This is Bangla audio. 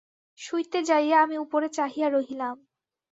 শুইতে যাইয়া আমি উপরে চাহিয়া রহিলাম।